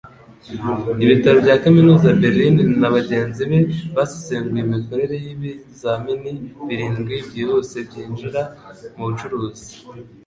Ibitaro bya Kaminuza Berlin na bagenzi be basesenguye imikorere y’ibizamini birindwi byihuse byinjira mu bucuruzi